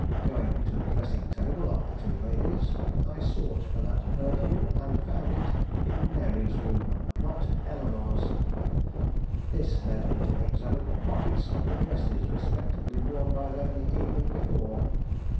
Going to the dressing table of the two ladies, I sought for that perfume, and found it in Mary's room, not Eleanore's. This led me to examine the pockets of the dresses respectively worn by them the evening before.